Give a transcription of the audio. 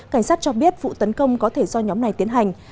cảnh sát cho biết vụ tấn công có thể do nhóm này tiến hành